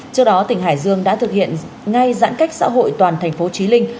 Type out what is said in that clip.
trước đó tỉnh hải dương đã thực hiện ngay giãn cách xã hội toàn thành phố trí linh